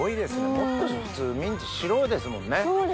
もう少し普通ミンチ白いですもんね。